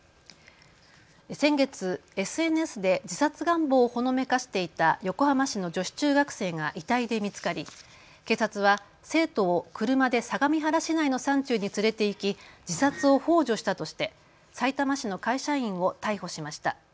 先月、ＳＮＳで自殺願望をほのめかしていた横浜市の女子中学生が遺体で見つかり警察は生徒を車で相模原市内の山中に連れて行き自殺をほう助したとして、さいたま市の会社員を逮捕しました。